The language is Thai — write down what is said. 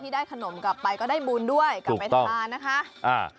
ได้ขนมกลับไปก็ได้บุญด้วยกลับไปทานนะคะอ่า